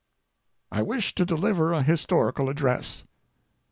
I wish to deliver a historical address.